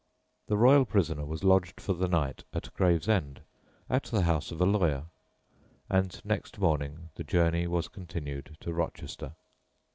The royal prisoner was lodged for the night at Gravesend, at the house of a lawyer, and next morning the journey was continued to Rochester.